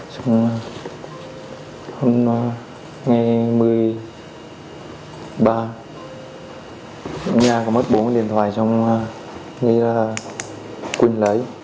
xong hôm ngày một mươi ba nhà có mất bốn điện thoại xong nghĩ là quên lấy